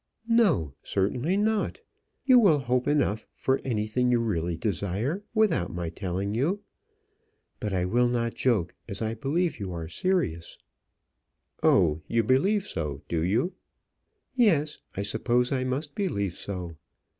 "No; certainly not. You will hope enough for anything you really desire without my telling you. But I will not joke, as I believe that you are serious." "Oh, you believe so, do you?" "Yes; I suppose I must believe so.